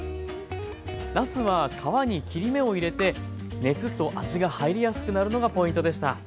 なすは皮に切り目を入れて熱と味が入りやすくなるのがポイントでした。